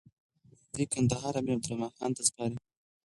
دوی کندهار امير عبدالرحمن خان ته سپاري.